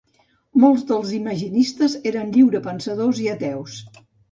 Molts dels imaginistes eren lliurepensadors i ateus.